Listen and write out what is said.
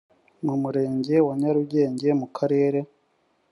mu murenge wa nyarugenge mu karere